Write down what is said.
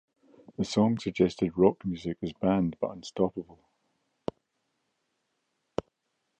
The song suggested rock music as banned but unstoppable.